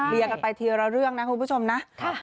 เปลี่ยนกันไปทีละเรื่องนะคุณผู้ชมนะ